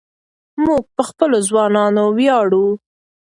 موږ په خپلو ځوانانو ویاړو.